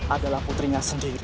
adalah putrinya sendiri